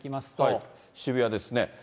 渋谷ですね。